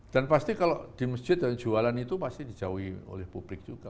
dan pasti kalau di masjid dan jualan itu pasti dijauhi oleh publik juga